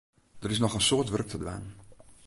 Der is noch in soad wurk te dwaan.